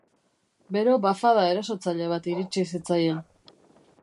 Bero-bafada erasotzaile bat iritsi zitzaien.